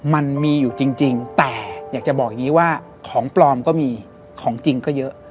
มันมีอยู่จริงแต่อยากจะบอกอย่างนี้ว่าของปลอมก็มีของจริงก็เยอะ